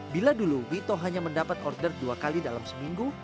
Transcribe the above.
bila dulu wito hanya mendapat order dua kali dalam seminggu